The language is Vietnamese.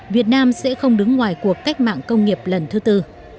việt nam sẽ không đứng ngoài cuộc cách mạng công nghiệp lần thứ tư